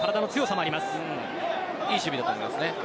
良い守備だと思います。